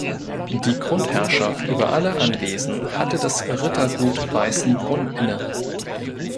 Die Grundherrschaft über alle Anwesen hatte das Rittergut Weißenbrunn inne.